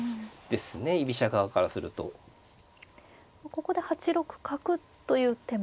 ここで８六角という手も。